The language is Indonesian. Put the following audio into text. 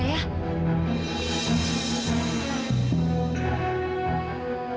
tidak ada apa apa